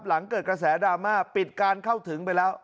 หลังเกิดกระแสดราม่าปิดการเข้าถึงไปแล้ว